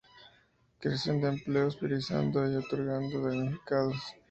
Creación de empleos, priorizando y otorgando a los damnificados.